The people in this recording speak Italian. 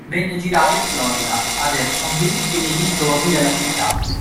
Venne girato in Florida, a Jacksonville e nei dintorni della città.